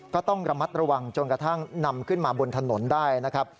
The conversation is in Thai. ก็ต้องระมัดระวังจนกระทั่งนำขึ้นมาบนถนนได้นะครับ